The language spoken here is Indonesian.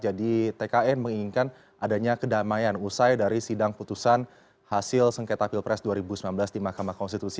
jadi tkn menginginkan adanya kedamaian usai dari sidang putusan hasil sengketa pilpres dua ribu sembilan belas di mahkamah konstitusi